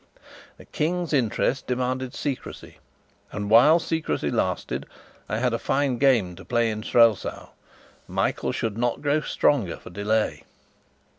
The King's interest demanded secrecy; and while secrecy lasted, I had a fine game to play in Strelsau, Michael should not grow stronger for delay!